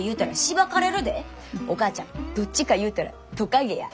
お母ちゃんどっちかいうたらトカゲや。